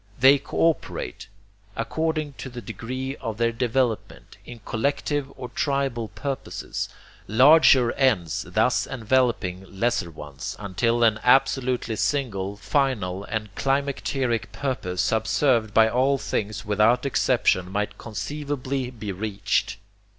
They co operate, according to the degree of their development, in collective or tribal purposes, larger ends thus enveloping lesser ones, until an absolutely single, final and climacteric purpose subserved by all things without exception might conceivably be reached.